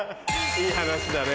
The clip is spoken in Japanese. いい話だね。